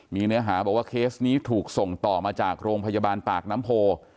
มีเนื้อหาบอกว่าเคสนี้ถูกส่งต่อมาจากโรงพยาบาลปากน้ำโพ